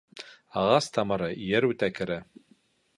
Ағас тамыры ер үтә керә